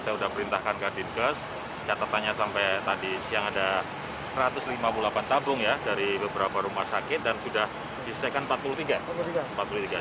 saya sudah perintahkan ke dinkes catatannya sampai tadi siang ada satu ratus lima puluh delapan tabung ya dari beberapa rumah sakit dan sudah disekan empat puluh tiga